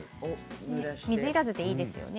水要らずでいいですよね。